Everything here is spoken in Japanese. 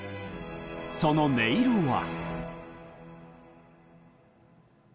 その音色は？